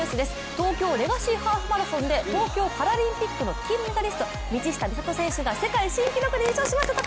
東京レガシーハーフマラソンで東京パラリンピック金メダリスト、道下美里選手が世界新記録で優勝しました！